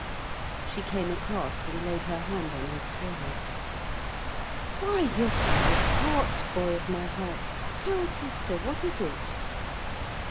She came across and laid her hand on his forehead. 'Why, you're quite hot, boy of my heart. Tell sister, what is it?'